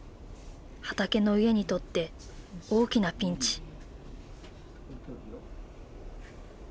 はたけのいえにとって大きなピンチ。